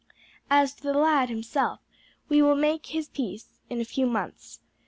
As to the lad himself, we will make his peace in a few months.